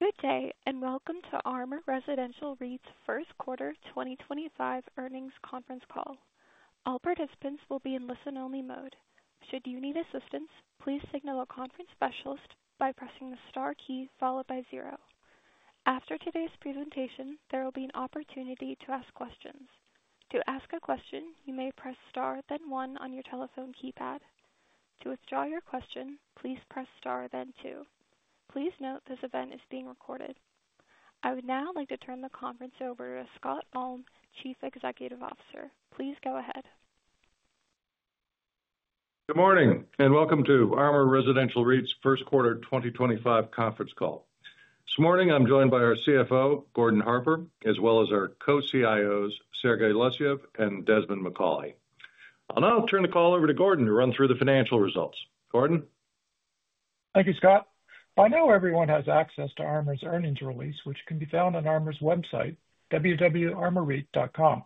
Good day and welcome to ARMOUR Residential REIT's first quarter 2025 earnings conference call. All participants will be in listen-only mode. Should you need assistance, please signal a conference specialist by pressing the star key followed by zero. After today's presentation, there will be an opportunity to ask questions. To ask a question, you may press star, then one on your telephone keypad. To withdraw your question, please press star, then two. Please note this event is being recorded. I would now like to turn the conference over to Scott Ulm, Chief Executive Officer. Please go ahead. Good morning and welcome to ARMOUR Residential REIT's first quarter 2025 conference call. This morning, I'm joined by our CFO, Gordon Harper, as well as our co-CIOs, Sergey Losyev and Desmond Macauley. I'll now turn the call over to Gordon to run through the financial results. Gordon. Thank you, Scott. I know everyone has access to ARMOUR's earnings release, which can be found on ARMOUR's website, www.armourreit.com.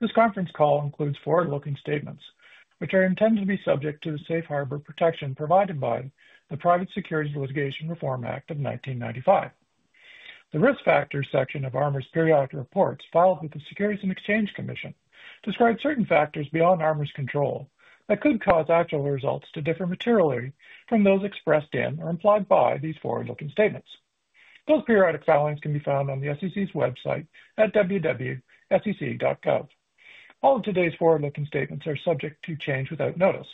This conference call includes forward-looking statements, which are intended to be subject to the safe harbor protection provided by the Private Securities Litigation Reform Act of 1995. The risk factors section of ARMOUR's periodic reports filed with the Securities and Exchange Commission describes certain factors beyond ARMOUR's control that could cause actual results to differ materially from those expressed in or implied by these forward-looking statements. Those periodic filings can be found on the SEC's website at www.sec.gov. All of today's forward-looking statements are subject to change without notice.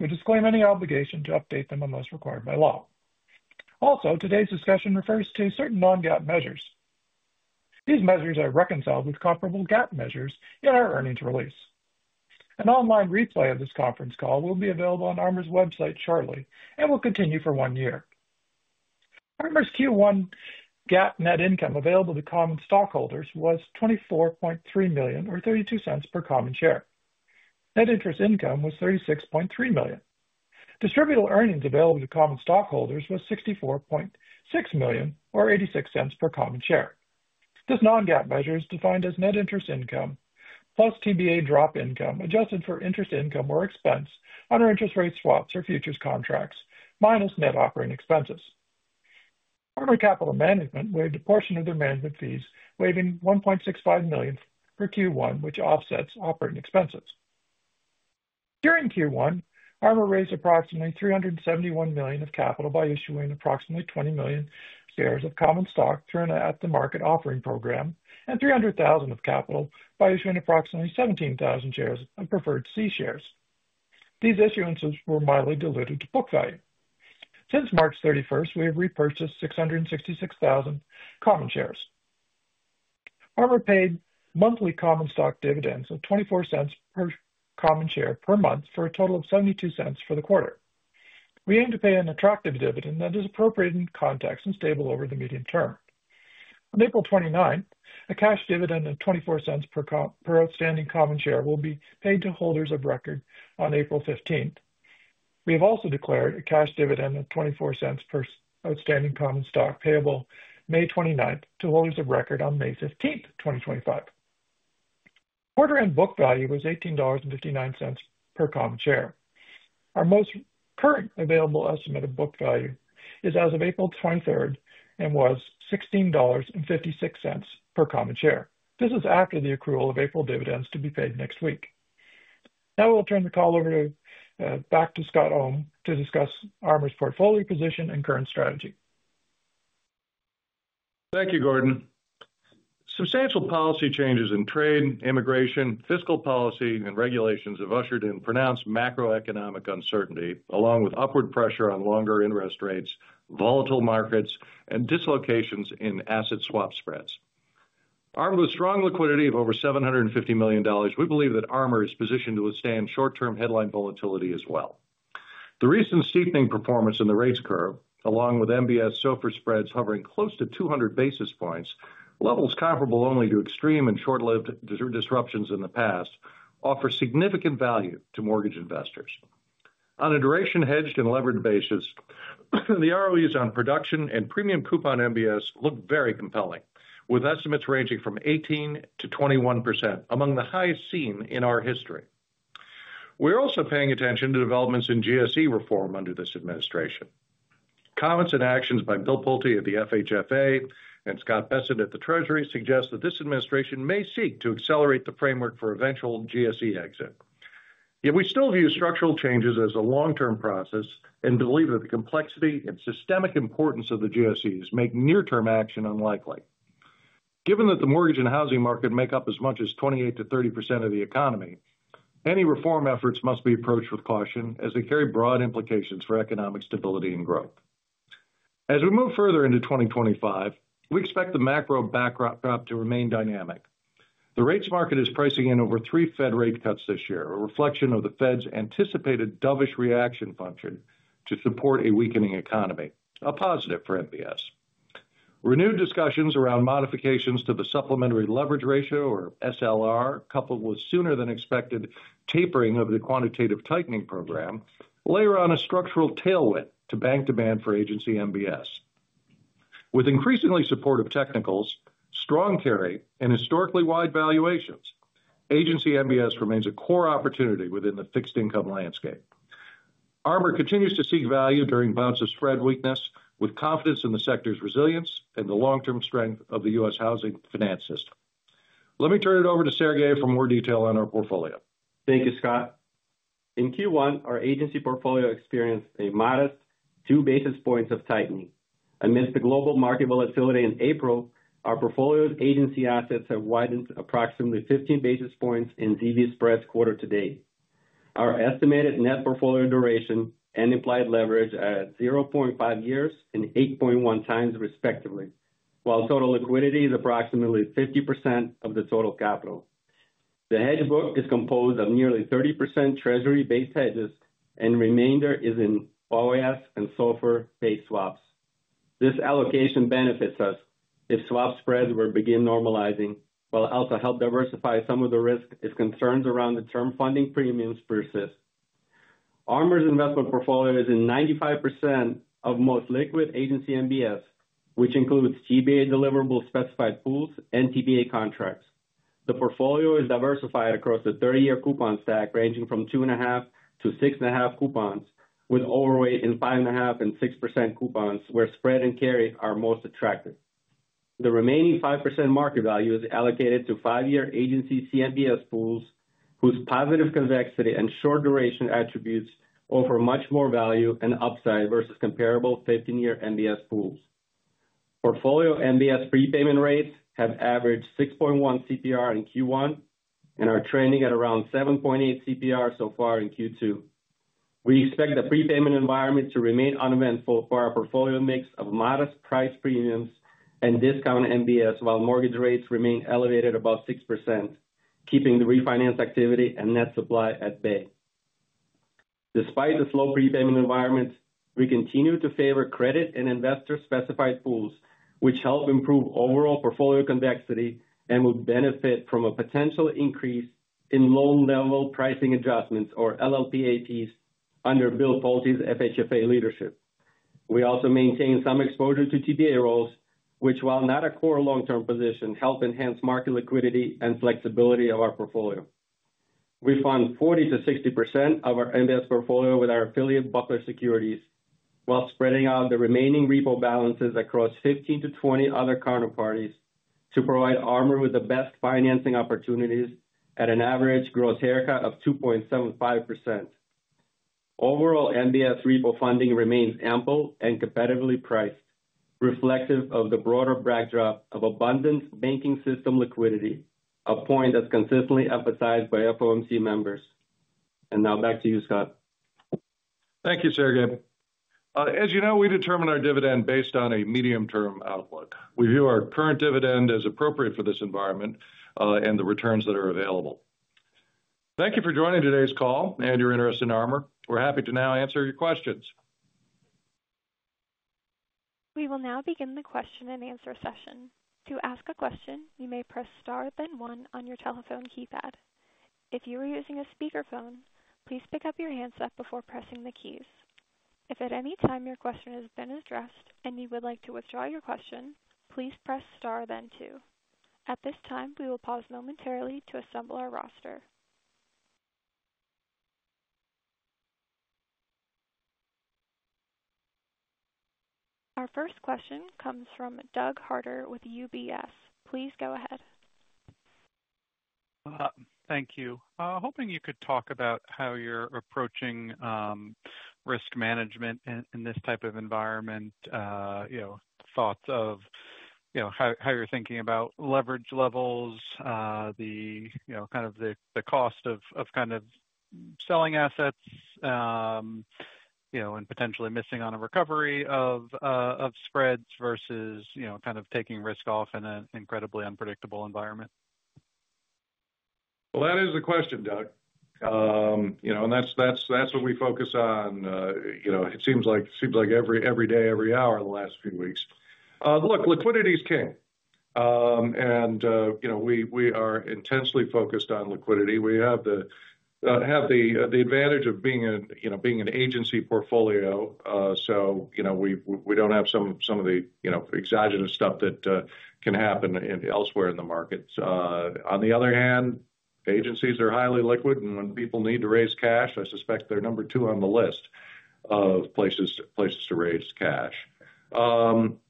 We disclaim any obligation to update them unless required by law. Also, today's discussion refers to certain non-GAAP measures. These measures are reconciled with comparable GAAP measures in our earnings release. An online replay of this conference call will be available on ARMOUR's website shortly and will continue for one year. ARMOUR's Q1 GAAP net income available to common stockholders was $24.3 million or $0.32 per common share. Net interest income was $36.3 million. Distributable earnings available to common stockholders was $64.6 million or $0.86 per common share. This non-GAAP measure is defined as net interest income plus TBA drop income adjusted for interest income or expense under interest rate swaps or futures contracts minus net operating expenses. ARMOUR Capital Management waived a portion of their management fees, waiving $1.65 million for Q1, which offsets operating expenses. During Q1, ARMOUR raised approximately $371 million of capital by issuing approximately 20 million shares of common stock through an at-the-market offering program and $300,000 of capital by issuing approximately 17,000 shares of preferred C shares. These issuances were mildly dilutive to book value. Since March 31st, we have repurchased 666,000 common shares. ARMOUR paid monthly common stock dividends of $0.24 per common share per month for a total of $0.72 for the quarter. We aim to pay an attractive dividend that is appropriate in context and stable over the medium term. On April 29th, a cash dividend of $0.24 per outstanding common share will be paid to holders of record on April 15th. We have also declared a cash dividend of $0.24 per outstanding common share payable May 29th to holders of record on May 15th, 2025. Quarter-end book value was $18.59 per common share. Our most current available estimate of book value is as of April 23rd and was $16.56 per common share. This is after the accrual of April dividends to be paid next week. Now we'll turn the call back to Scott Ulm to discuss ARMOUR's portfolio position and current strategy. Thank you, Gordon. Substantial policy changes in trade, immigration, fiscal policy, and regulations have ushered in pronounced macroeconomic uncertainty, along with upward pressure on longer interest rates, volatile markets, and dislocations in asset swap spreads. ARMOUR, with strong liquidity of over $750 million, we believe that ARMOUR is positioned to withstand short-term headline volatility as well. The recent steepening performance in the rates curve, along with MBS SOFR spreads hovering close to 200 basis points, levels comparable only to extreme and short-lived disruptions in the past, offer significant value to mortgage investors. On a duration hedged and levered basis, the ROEs on production and premium coupon MBS look very compelling, with estimates ranging from 18%-21% among the highest seen in our history. We're also paying attention to developments in GSE reform under this administration. Comments and actions by Bill Pulte at the FHFA and Scott Bessent at the Treasury suggest that this administration may seek to accelerate the framework for eventual GSE exit. Yet we still view structural changes as a long-term process and believe that the complexity and systemic importance of the GSEs make near-term action unlikely. Given that the mortgage and housing market make up as much as 28%-30% of the economy, any reform efforts must be approached with caution as they carry broad implications for economic stability and growth. As we move further into 2025, we expect the macro backdrop to remain dynamic. The rates market is pricing in over three Fed rate cuts this year, a reflection of the Fed's anticipated dovish reaction function to support a weakening economy, a positive for MBS. Renewed discussions around modifications to the supplementary leverage ratio, or SLR, coupled with sooner-than-expected tapering of the quantitative tightening program, layer on a structural tailwind to bank demand for agency MBS. With increasingly supportive technicals, strong carry, and historically wide valuations, agency MBS remains a core opportunity within the fixed income landscape. ARMOUR continues to seek value during bouts of spread weakness with confidence in the sector's resilience and the long-term strength of the U.S. housing finance system. Let me turn it over to Sergey for more detail on our portfolio. Thank you, Scott. In Q1, our agency portfolio experienced a modest two basis points of tightening. Amidst the global market volatility in April, our portfolio's agency assets have widened approximately 15 basis points in ZV spreads quarter to date. Our estimated net portfolio duration and implied leverage are at 0.5 years and 8.1 times, respectively, while total liquidity is approximately 50% of the total capital. The hedge book is composed of nearly 30% Treasury-based hedges, and the remainder is in OIS and SOFR-based swaps. This allocation benefits us if swap spreads were to begin normalizing, while also help diversify some of the risk if concerns around the term funding premiums persist. ARMOUR's investment portfolio is in 95% of most liquid agency MBS, which includes TBA deliverable specified pools and TBA contracts. The portfolio is diversified across the 30-year coupon stack, ranging from 2.5-6.5% coupons, with overweight in 5.5% and 6% coupons, where spread and carry are most attractive. The remaining 5% market value is allocated to five-year agency CMBS pools, whose positive convexity and short duration attributes offer much more value and upside versus comparable 15-year MBS pools. Portfolio MBS prepayment rates have averaged 6.1% CPR in Q1 and are trending at around 7.8% CPR so far in Q2. We expect the prepayment environment to remain uneventful for our portfolio mix of modest price premiums and discount MBS, while mortgage rates remain elevated above 6%, keeping the refinance activity and net supply at bay. Despite the slow prepayment environment, we continue to favor credit and investor-specified pools, which help improve overall portfolio convexity and would benefit from a potential increase in loan-level pricing adjustments, or LLPAs, under Bill Pulte's FHFA leadership. We also maintain some exposure to TBA rolls, which, while not a core long-term position, help enhance market liquidity and flexibility of our portfolio. We fund 40%-60% of our MBS portfolio with our affiliate Buckler Securities, while spreading out the remaining repo balances across 15-20 other counterparties to provide ARMOUR with the best financing opportunities at an average gross haircut of 2.75%. Overall, MBS repo funding remains ample and competitively priced, reflective of the broader backdrop of abundant banking system liquidity, a point that's consistently emphasized by FOMC members. Now back to you, Scott. Thank you, Sergey. As you know, we determine our dividend based on a medium-term outlook. We view our current dividend as appropriate for this environment and the returns that are available. Thank you for joining today's call and your interest in ARMOUR. We're happy to now answer your questions. We will now begin the question and answer session. To ask a question, you may press star then one on your telephone keypad. If you are using a speakerphone, please pick up your handset before pressing the keys. If at any time your question has been addressed and you would like to withdraw your question, please press star then two. At this time, we will pause momentarily to assemble our roster. Our first question comes from Doug Harter with UBS. Please go ahead. Thank you. Hoping you could talk about how you're approaching risk management in this type of environment, you know, thoughts of, you know, how you're thinking about leverage levels, the, you know, kind of the cost of kind of selling assets, you know, and potentially missing on a recovery of spreads versus, you know, kind of taking risk off in an incredibly unpredictable environment. That is the question, Doug. You know, and that's what we focus on, you know, it seems like every day, every hour in the last few weeks. Look, liquidity is king. You know, we are intensely focused on liquidity. We have the advantage of being an agency portfolio, so, you know, we don't have some of the, you know, exogenous stuff that can happen elsewhere in the markets. On the other hand, agencies are highly liquid, and when people need to raise cash, I suspect they're number two on the list of places to raise cash.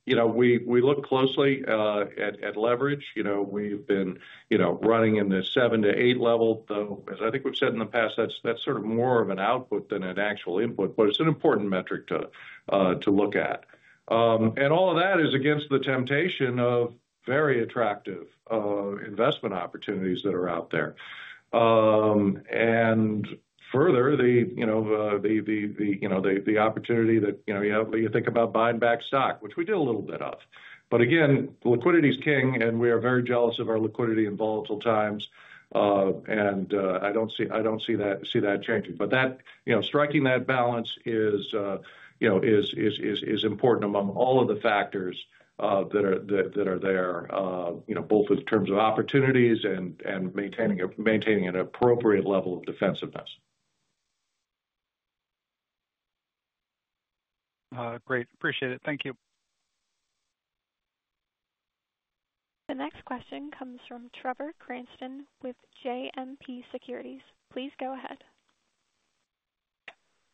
You know, we look closely at leverage. You know, we've been, you know, running in the seven to eight level, though, as I think we've said in the past, that's sort of more of an output than an actual input, but it's an important metric to look at. All of that is against the temptation of very attractive investment opportunities that are out there. Further, the, you know, the opportunity that, you know, you think about buying back stock, which we did a little bit of. Again, liquidity is king, and we are very jealous of our liquidity in volatile times. I do not see that changing. Striking that balance is, you know, is important among all of the factors that are there, you know, both in terms of opportunities and maintaining an appropriate level of defensiveness. Great. Appreciate it. Thank you. The next question comes from Trevor Cranston with JMP Securities. Please go ahead.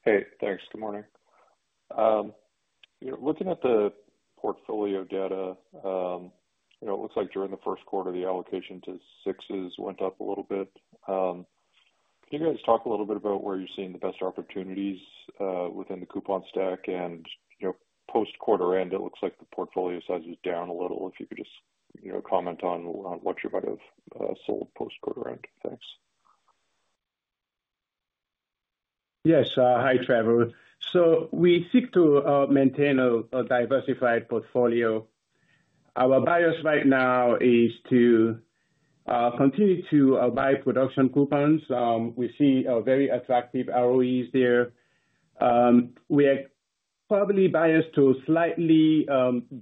Hey, thanks. Good morning. You know, looking at the portfolio data, you know, it looks like during the first quarter, the allocation to sixes went up a little bit. Can you guys talk a little bit about where you're seeing the best opportunities within the coupon stack? You know, post-quarter-end, it looks like the portfolio size is down a little. If you could just, you know, comment on what you might have sold post-quarter-end. Thanks. Yes. Hi, Trevor. We seek to maintain a diversified portfolio. Our bias right now is to continue to buy production coupons. We see very attractive ROEs there. We are probably biased to slightly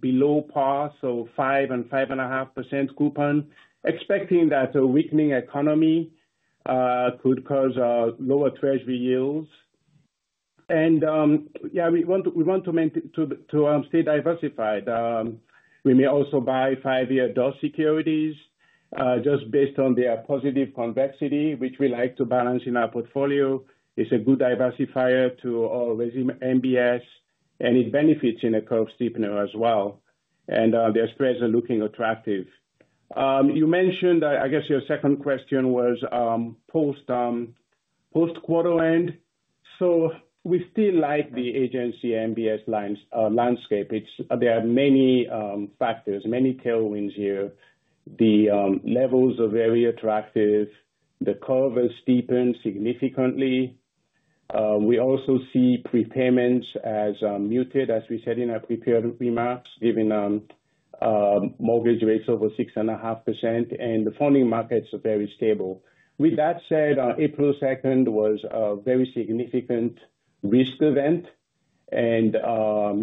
below par, so 5% and 5.5% coupon, expecting that a weakening economy could cause lower Treasury yields. Yeah, we want to stay diversified. We may also buy five-year DUS securities just based on their positive convexity, which we like to balance in our portfolio. It's a good diversifier to all resi MBS, and it benefits in a curve steepener as well. Their spreads are looking attractive. You mentioned, I guess your second question was post-quarter-end. We still like the agency MBS landscape. There are many factors, many tailwinds here. The levels are very attractive. The curve has steepened significantly. We also see prepayments as muted, as we said in our prepared remarks, given mortgage rates over 6.5%, and the funding markets are very stable. With that said, April 2nd was a very significant risk event, and,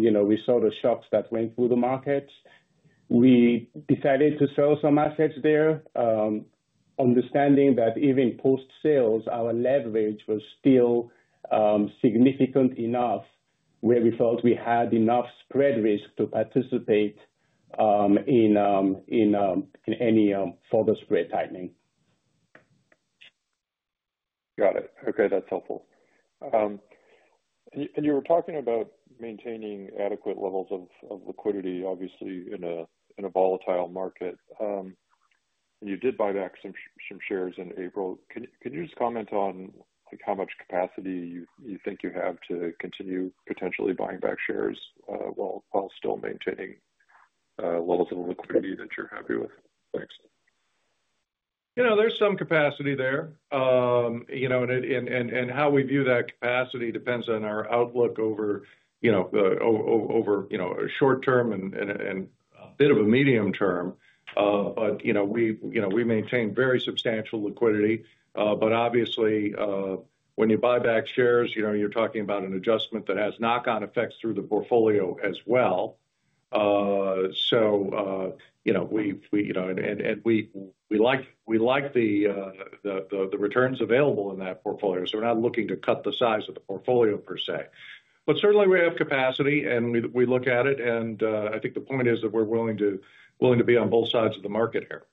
you know, we saw the shocks that went through the markets. We decided to sell some assets there, understanding that even post-sales, our leverage was still significant enough where we felt we had enough spread risk to participate in any further spread tightening. Got it. Okay, that's helpful. You were talking about maintaining adequate levels of liquidity, obviously, in a volatile market. You did buy back some shares in April. Can you just comment on how much capacity you think you have to continue potentially buying back shares while still maintaining levels of liquidity that you're happy with? Thanks. You know, there's some capacity there. You know, and how we view that capacity depends on our outlook over, you know, a short term and a bit of a medium term. But, you know, we maintain very substantial liquidity. Obviously, when you buy back shares, you know, you're talking about an adjustment that has knock-on effects through the portfolio as well. You know, we, you know, and we like the returns available in that portfolio. We're not looking to cut the size of the portfolio per se. Certainly, we have capacity, and we look at it. I think the point is that we're willing to be on both sides of the market here.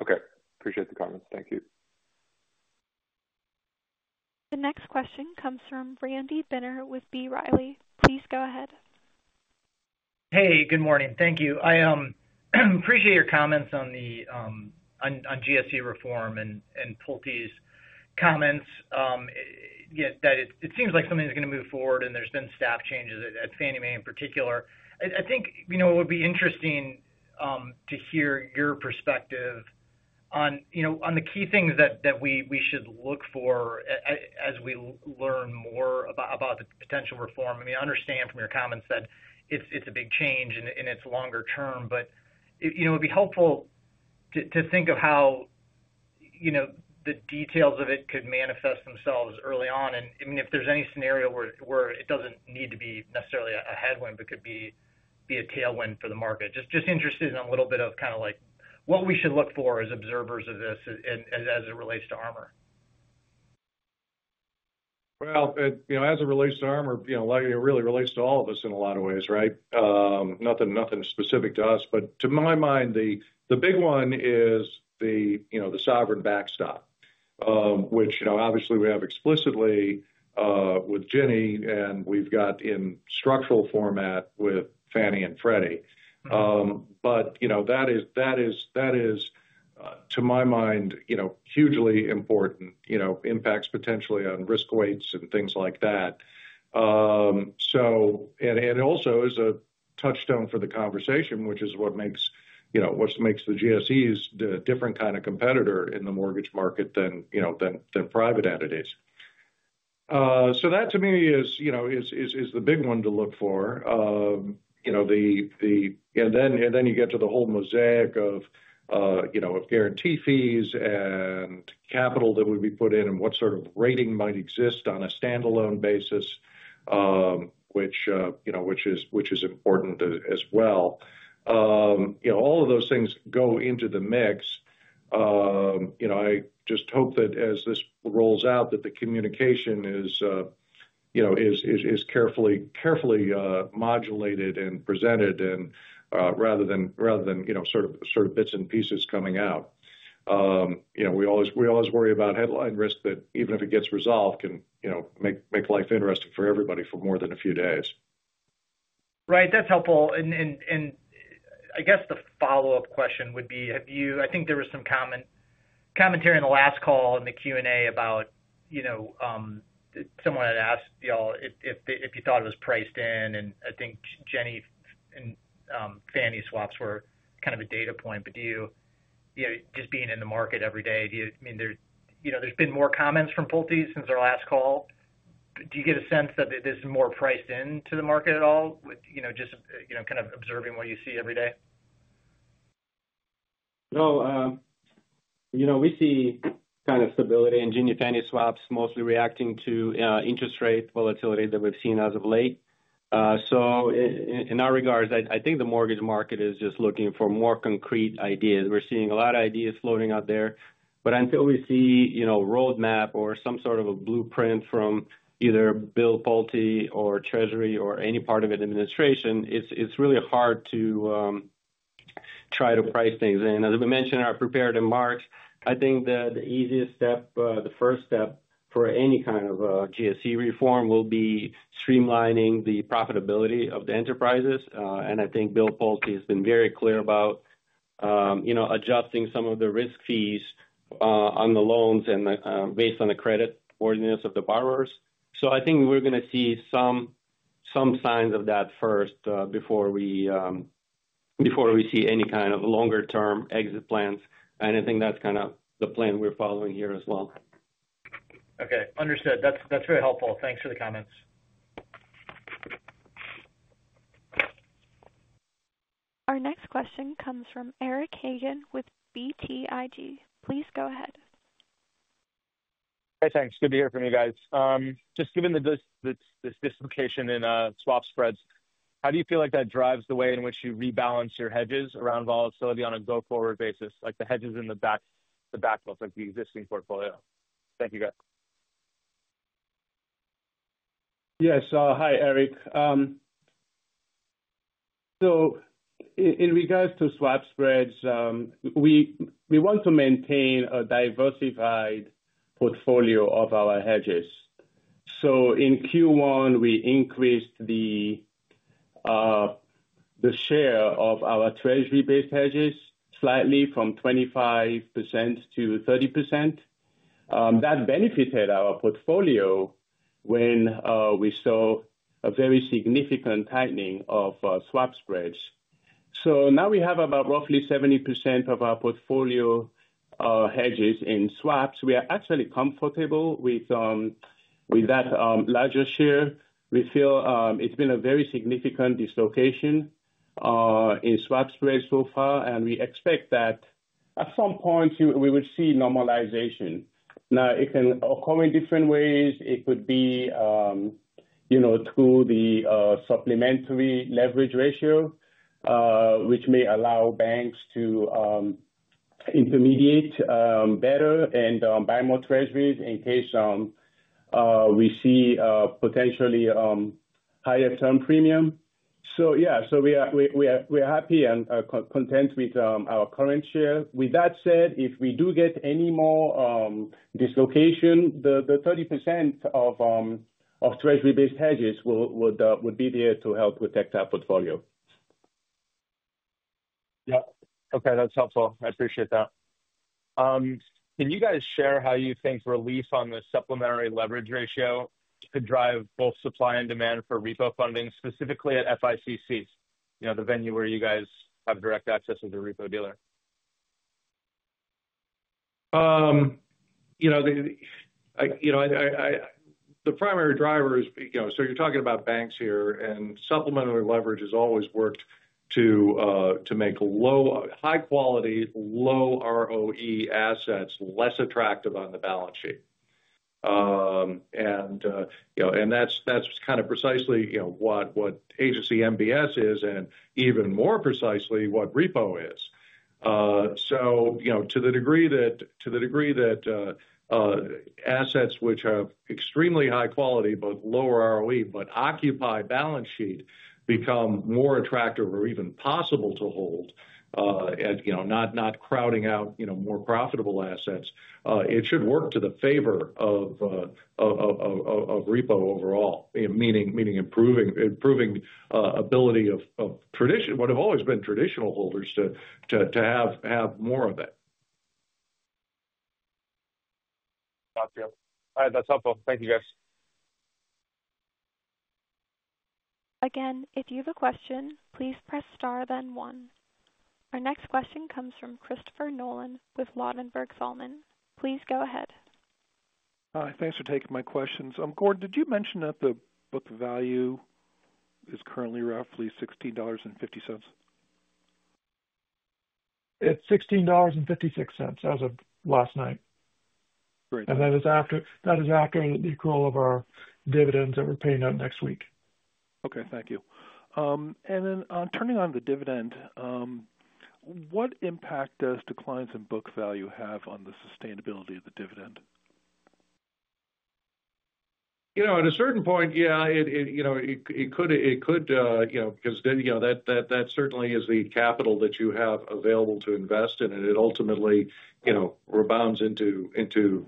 Okay. Appreciate the comments. Thank you. The next question comes from Randy Binner with B. Riley. Please go ahead. Hey, good morning. Thank you. I appreciate your comments on the GSE reform and Pulte's comments. It seems like something's going to move forward, and there's been staff changes at Fannie Mae in particular. I think, you know, it would be interesting to hear your perspective on, you know, on the key things that we should look for as we learn more about the potential reform. I mean, I understand from your comments that it's a big change and it's longer term, but, you know, it'd be helpful to think of how, you know, the details of it could manifest themselves early on. I mean, if there's any scenario where it doesn't need to be necessarily a headwind, but could be a tailwind for the market, just interested in a little bit of kind of like what we should look for as observers of this as it relates to ARMOUR. As it relates to ARMOUR, you know, it really relates to all of us in a lot of ways, right? Nothing specific to us. To my mind, the big one is the, you know, the sovereign backstop, which, you know, obviously we have explicitly with Ginnie and we've got in structural format with Fannie and Freddie. That is, to my mind, you know, hugely important, you know, impacts potentially on risk weights and things like that. It also is a touchstone for the conversation, which is what makes, you know, what makes the GSEs a different kind of competitor in the mortgage market than, you know, than private entities. That to me is, you know, is the big one to look for. You know, and then you get to the whole mosaic of, you know, guarantee fees and capital that would be put in and what sort of rating might exist on a standalone basis, which, you know, which is important as well. You know, all of those things go into the mix. You know, I just hope that as this rolls out, that the communication is, you know, is carefully modulated and presented rather than, you know, sort of bits and pieces coming out. You know, we always worry about headline risk that even if it gets resolved, can, you know, make life interesting for everybody for more than a few days. Right. That's helpful. I guess the follow-up question would be, have you, I think there was some commentary in the last call in the Q&A about, you know, someone had asked y'all if you thought it was priced in. I think Ginnie and Fannie swaps were kind of a data point. Do you, you know, just being in the market every day, do you, I mean, you know, there's been more comments from Pulte since our last call. Do you get a sense that this is more priced into the market at all with, you know, just, you know, kind of observing what you see every day? You know, we see kind of stability and genuine Fannie swaps mostly reacting to interest rate volatility that we've seen as of late. In our regards, I think the mortgage market is just looking for more concrete ideas. We're seeing a lot of ideas floating out there. Until we see, you know, roadmap or some sort of a blueprint from either Bill Pulte or Treasury or any part of an administration, it's really hard to try to price things in. As we mentioned in our prepared remarks, I think the easiest step, the first step for any kind of GSE reform will be streamlining the profitability of the enterprises. I think Bill Pulte has been very clear about, you know, adjusting some of the risk fees on the loans and based on the creditworthiness of the borrowers. I think we're going to see some signs of that first before we see any kind of longer-term exit plans. I think that's kind of the plan we're following here as well. Okay. Understood. That's very helpful. Thanks for the comments. Our next question comes from Eric Hagen with BTIG. Please go ahead. Hey, thanks. Good to hear from you guys. Just given this dislocation in swap spreads, how do you feel like that drives the way in which you rebalance your hedges around volatility on a go-forward basis, like the hedges in the back, like the existing portfolio? Thank you, guys. Yes. Hi, Eric. In regards to swap spreads, we want to maintain a diversified portfolio of our hedges. In Q1, we increased the share of our Treasury-based hedges slightly from 25% to 30%. That benefited our portfolio when we saw a very significant tightening of swap spreads. Now we have about roughly 70% of our portfolio hedges in swaps. We are actually comfortable with that larger share. We feel it's been a very significant dislocation in swap spreads so far, and we expect that at some point we would see normalization. It can occur in different ways. It could be, you know, through the supplementary leverage ratio, which may allow banks to intermediate better and buy more Treasuries in case we see potentially higher term premium. Yeah, we are happy and content with our current share. With that said, if we do get any more dislocation, the 30% of Treasury-based hedges would be there to help protect our portfolio. Yeah. Okay. That's helpful. I appreciate that. Can you guys share how you think relief on the supplementary leverage ratio could drive both supply and demand for repo funding, specifically at FICC, you know, the venue where you guys have direct access as a repo dealer? You know, the primary driver is, you know, so you're talking about banks here, and supplementary leverage has always worked to make high-quality, low ROE assets less attractive on the balance sheet. You know, and that's kind of precisely, you know, what agency MBS is and even more precisely what repo is. You know, to the degree that, to the degree that assets which have extremely high quality, but lower ROE, but occupy balance sheet become more attractive or even possible to hold, you know, not crowding out, you know, more profitable assets, it should work to the favor of repo overall, meaning improving ability of tradition, what have always been traditional holders to have more of it. Got that. All right. That's helpful. Thank you, guys. Again, if you have a question, please press star then one. Our next question comes from Christopher Nolan with Ladenburg Thalmann. Please go ahead. Hi. Thanks for taking my questions. Gordon, did you mention that the book value is currently roughly $16.50? It's $16.56 as of last night. Great. That is after the accrual of our dividends that we're paying out next week. Okay. Thank you. Turning on the dividend, what impact does declines in book value have on the sustainability of the dividend? You know, at a certain point, yeah, you know, it could, you know, because, you know, that certainly is the capital that you have available to invest in, and it ultimately, you know, rebounds into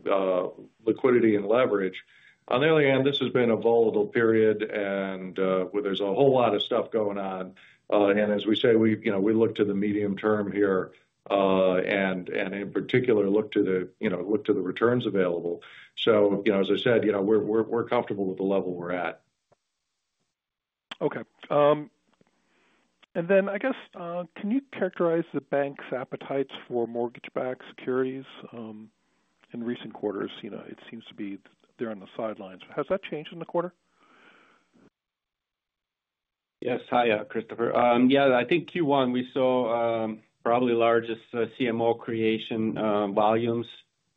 liquidity and leverage. On the other hand, this has been a volatile period where there's a whole lot of stuff going on. As we say, we, you know, we look to the medium term here and in particular look to the, you know, look to the returns available. You know, as I said, you know, we're comfortable with the level we're at. Okay. I guess, can you characterize the bank's appetites for mortgage-backed securities in recent quarters? You know, it seems to be they're on the sidelines. Has that changed in the quarter? Yes. Hi, Christopher. Yeah, I think Q1 we saw probably largest CMO creation volumes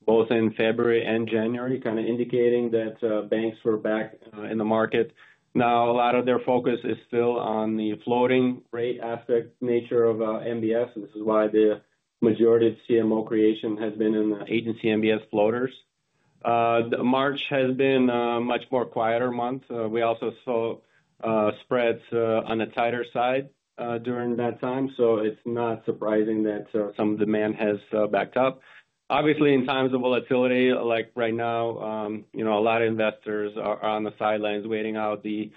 both in February and January, kind of indicating that banks were back in the market. Now, a lot of their focus is still on the floating rate aspect nature of MBS. This is why the majority of CMO creation has been in agency MBS floaters. March has been a much more quieter month. We also saw spreads on the tighter side during that time. It is not surprising that some demand has backed up. Obviously, in times of volatility, like right now, you know, a lot of investors are on the sidelines waiting out these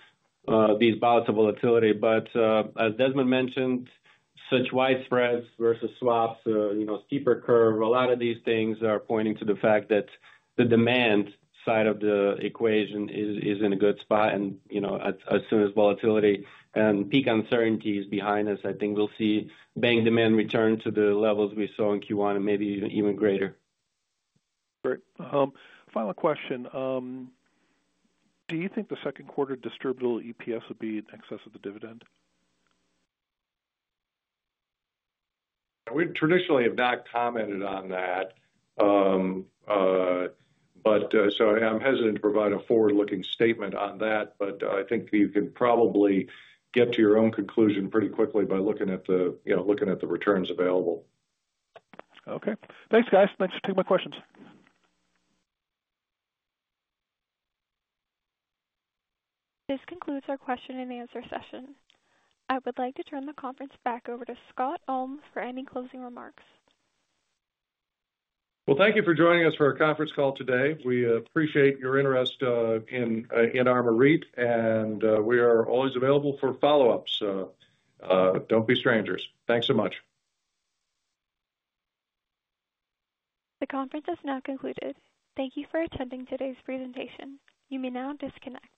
bouts of volatility. As Desmond mentioned, such widespreads versus swaps, you know, steeper curve, a lot of these things are pointing to the fact that the demand side of the equation is in a good spot. You know, as soon as volatility and peak uncertainty is behind us, I think we'll see bank demand return to the levels we saw in Q1 and maybe even greater. Great. Final question. Do you think the second quarter distributable EPS would be in excess of the dividend? We traditionally have not commented on that. I am hesitant to provide a forward-looking statement on that, but I think you can probably get to your own conclusion pretty quickly by looking at the, you know, looking at the returns available. Okay. Thanks, guys. Thanks for taking my questions. This concludes our question and answer session. I would like to turn the conference back over to Scott Ulm for any closing remarks. Thank you for joining us for our conference call today. We appreciate your interest in ARMOUR Residential REIT and we are always available for follow-ups. Don't be strangers. Thanks so much. The conference has now concluded. Thank you for attending today's presentation. You may now disconnect.